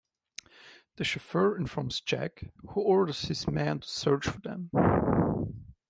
The chauffeur informs Jack, who orders his men to search for them.